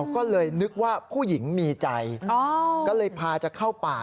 ก็เลยนึกว่าผู้หญิงมีใจก็เลยพาจะเข้าป่า